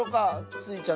スイちゃん